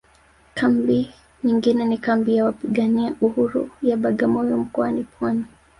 Kambi nyingine ni kambi ya wapigania uhuru ya Bagamoyo mkoani Pwani